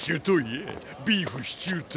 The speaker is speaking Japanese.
エビーフシチュート。